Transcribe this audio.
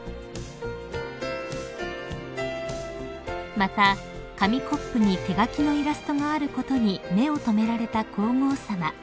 ［また紙コップに手描きのイラストがあることに目を留められた皇后さま］